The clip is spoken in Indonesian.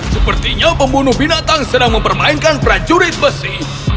sepertinya pembunuh binatang sedang mempermainkan prajurit besi